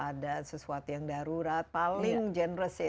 kalau ada sesuatu yang darurat paling generous